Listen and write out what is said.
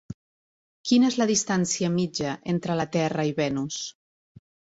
Quina és la distància mitja entre la Terra i Venus?